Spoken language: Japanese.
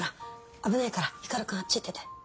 危ないから光くんあっち行ってて。